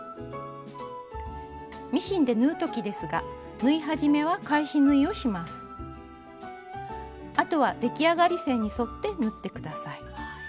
ミシンで縫う時ですがあとは出来上がり線に沿って縫って下さい。